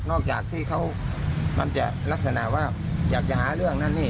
จากที่เขามันจะลักษณะว่าอยากจะหาเรื่องนั่นนี่